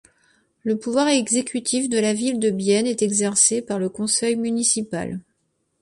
Le pouvoir exécutif de la ville de Bienne est exercé par le conseil municipal.